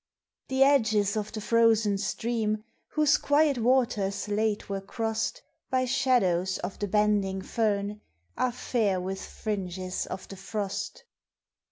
The edges of the frozen stream, Whose quiet waters late were crossed By shadows of the bending fern, Are fair with fringes of the frost.